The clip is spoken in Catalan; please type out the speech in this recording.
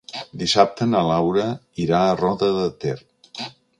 Dissabte na Laura irà a Roda de Ter.